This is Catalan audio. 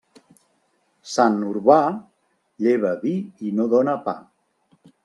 Sant Urbà, lleva vi i no dóna pa.